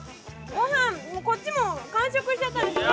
ご飯こっちも完食しちゃったんですよ。